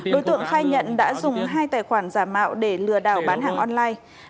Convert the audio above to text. đối tượng khai nhận đã dùng hai tài khoản giả mạo để lừa đảo bán hàng online